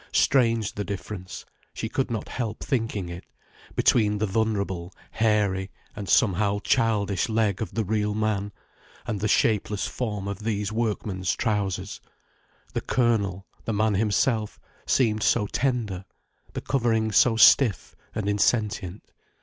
Strange the difference—she could not help thinking it—between the vulnerable hairy, and somehow childish leg of the real man, and the shapeless form of these workmen's trousers. The kernel, the man himself—seemed so tender—the covering so stiff and insentient.